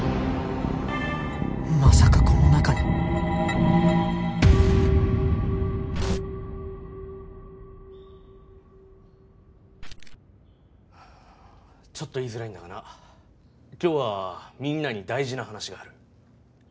まさかこの中にちょっと言いづらいんだがな今日はみんなに大事な話がある。